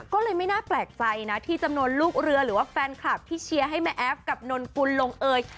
ก็เลยไม่น่าแปลกใจนะที่จำนวนลูกเรือหรือว่าแฟนคลับที่เชียร์ให้แม่แอฟกับนนกุลลงเอย